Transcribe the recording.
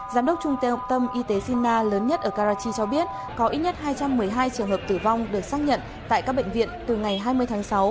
giám đốc trung tê học tâm y tế sina lớn nhất ở karachi cho biết có ít nhất hai trăm một mươi hai trường hợp tử vong được xác nhận tại các bệnh viện từ ngày hai mươi tháng sáu